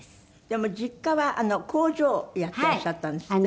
でも実家は工場をやってらっしゃったんですって？